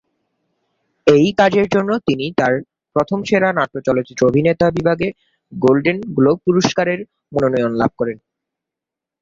এই কাজের জন্য তিনি তার প্রথম সেরা নাট্য চলচ্চিত্র অভিনেতা বিভাগে গোল্ডেন গ্লোব পুরস্কারের মনোনয়ন লাভ করেন।